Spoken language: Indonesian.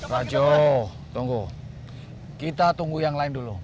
rajo tunggu kita tunggu yang lain dulu